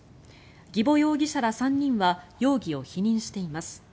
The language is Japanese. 儀保容疑者ら３人は容疑を否認しています。